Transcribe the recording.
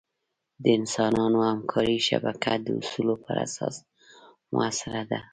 د انسانانو همکارۍ شبکه د اصولو پر اساس مؤثره وه.